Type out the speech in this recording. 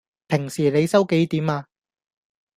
平時你收幾點呀?